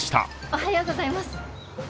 おはようございます。